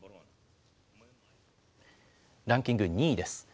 ランキング２位です。